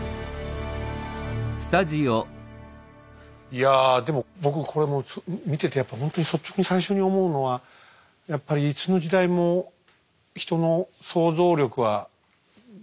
いやでも僕これもう見ててやっぱほんとに率直に最初に思うのはやっぱりいつの時代も人の想像力は誰も止められないというか自由で。